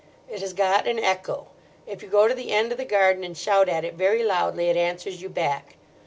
It has got an echo. If you go to the end of the garden and shout at it very loudly, it answers you back.